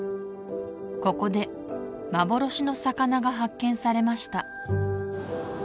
ここで幻の魚が発見されました